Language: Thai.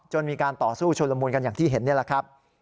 มีการต่อสู้ชนละมูลกันอย่างที่เห็นนี่แหละครับ